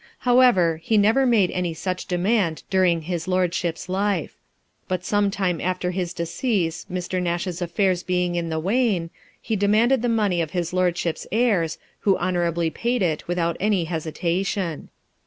However, he never made any such demand during his lordship's life ; but some time after his decease, Mr. Nash's affairs being in the wane, he demanded the money of his lordship's heirs, who honourably paid it without any hesitation.